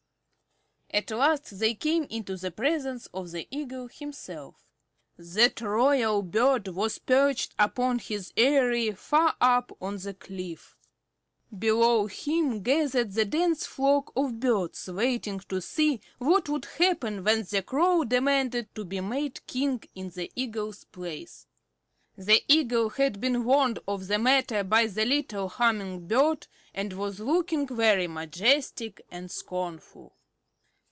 At last they came into the presence of the Eagle himself. That royal bird was perched upon his eyrie far up on the cliff. Below him gathered the dense flock of birds, waiting to see what would happen when the Crow demanded to be made King in the Eagle's place. The Eagle had been warned of the matter by the little Humming Bird, and was looking very majestic and scornful.